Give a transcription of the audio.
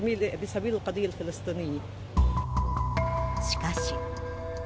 しかし。